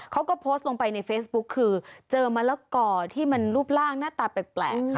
เขาก็โพสต์ลงไปในเฟซบุ๊กคือเจอมะละกอที่มันรูปร่างหน้าตาแปลกค่ะ